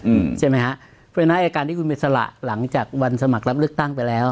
อืมใช่ไหมฮะเพราะฉะนั้นไอ้การที่คุณไปสละหลังจากวันสมัครรับเลือกตั้งไปแล้ว